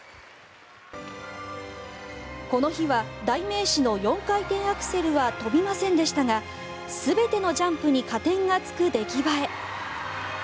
この日は代名詞の４回転アクセルは跳びませんでしたが全てのジャンプに加点がつく出来栄え。